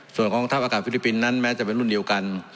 ส่วนของทัพอากาศฟิลิปปินส์นั้นแม้จะเป็นรุ่นเดียวกัน